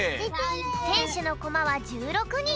せんしゅのコマは１６にん。